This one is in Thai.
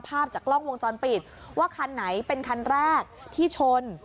ภาพจากกล้องวงจรปิดว่าคันไหนเป็นคันแรกที่ชน